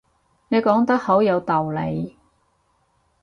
你講得好有道理